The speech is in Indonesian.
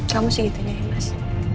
kamu segitu nih mas